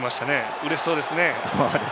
うれしそうですね。